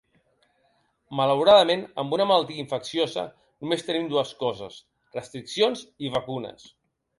Malauradament, amb una malaltia infecciosa, només tenim dues coses: restriccions i vacunes.